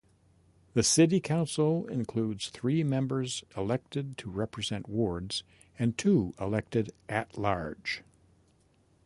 The City Council includes three members elected to represent wards and two elected at-large.